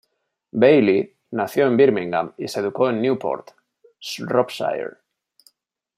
Bayley nació en Birmingham y se educó en Newport, Shropshire.